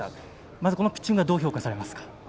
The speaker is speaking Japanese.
まずこのピッチングはどう評価されますか？